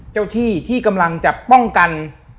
เจ้าที่ที่กำลังจะป้องกัน